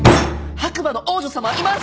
白馬の王女様はいます！